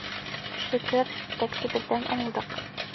Шөкөр, етәксебеҙҙән уңдыҡ.